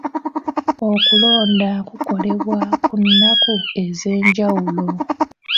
Okulonda kukolebwa ku nnaku ez'enjawulo.